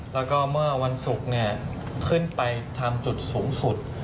แล้วก็เมื่อวันศุกร์ขึ้นไปทำจุดสูงสุด